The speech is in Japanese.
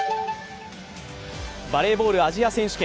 バレーボールアジア選手権。